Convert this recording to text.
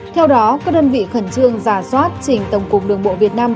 theo đó các đơn vị khẩn trương giả soát trình tổng cục đường bộ việt nam